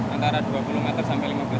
antara dua puluh meter sampai lima belas meter